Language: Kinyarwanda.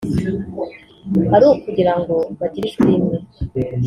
ari ukugira ngo bagire ijwi rimwe